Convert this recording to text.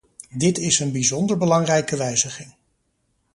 Dit is een bijzonder belangrijke wijziging.